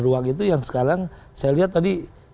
ruang itu yang sekarang saya lihat tadi